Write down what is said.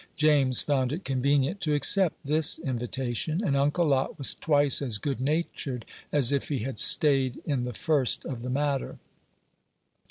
James found it convenient to accept this invitation, and Uncle Lot was twice as good natured as if he had staid in the first of the matter.